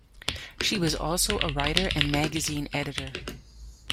She was also a writer and magazine editor.